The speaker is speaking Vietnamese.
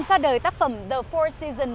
ra đời tác phẩm the four seasons